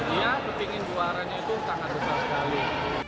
dia kepingin juaranya itu tak harus berbalik